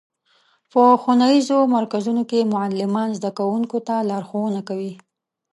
په ښوونیزو مرکزونو کې معلمان زدهکوونکو ته لارښوونه کوي.